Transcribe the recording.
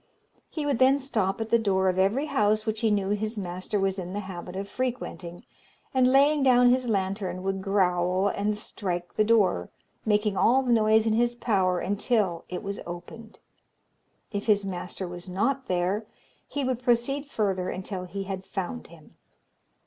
He would then stop at the door of every house which he knew his master was in the habit of frequenting, and, laying down his lantern, would growl and strike the door, making all the noise in his power until it was opened. If his master was not there, he would proceed further until he had found him.